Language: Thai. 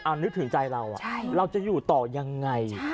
นึกถึงใจเราเราจะอยู่ต่อยังไง